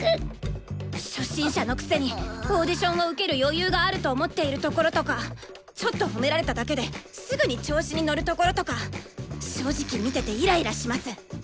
初心者のくせにオーディションを受ける余裕があると思っているところとかちょっと褒められただけですぐに調子に乗るところとか正直見ててイライラします。